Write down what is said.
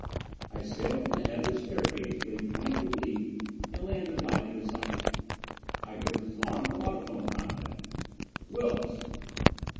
I sailed from the head of the staircase with a twenty foot leap and landed lightly beside him. I gripped his arm for audiphone contact. "Wilks!"